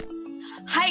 はい！